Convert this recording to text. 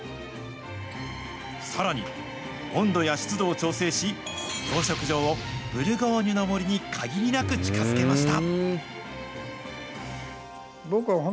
さらに、温度や湿度を調整し、養殖場をブルゴーニュの森に限りなく近づけました。